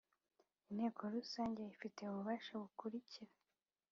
Inteko rusange ifite ububasha bukurikira